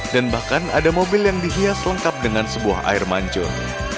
dan bahkan ada mobil yang dihias lengkap dengan sebuah air mancur